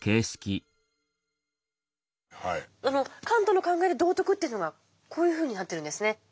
カントの考える道徳というのがこういうふうになってるんですね。